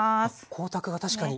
光沢が確かに。